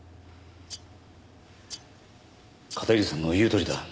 片桐さんの言うとおりだ。